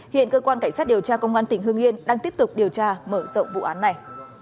hiện cơ quan cảnh sát điều tra công an tỉnh hương yên đang tiếp tục điều tra mở rộng vụ án này